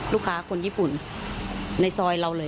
ลูกค้าคนญี่ปุ่นในซอยเราเลย